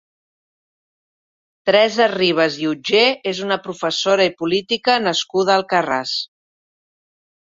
Teresa Ribes i Utgé és una professora i política nascuda a Alcarràs.